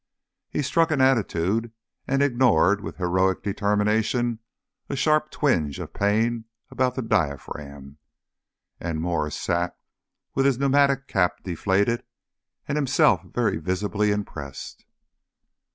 He struck an attitude and ignored with heroic determination a sharp twinge of pain about the diaphragm. And Mwres sat with his pneumatic cap deflated and himself very visibly impressed.